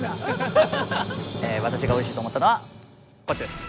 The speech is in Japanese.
私がおいしいと思ったのはこっちです。